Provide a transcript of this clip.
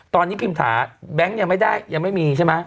ตอนนี้พิมถาแบงค์ยังไม่ได้ยังไม่มีใช่ไหม